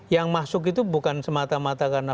yang masuk itu bukan semata mata karena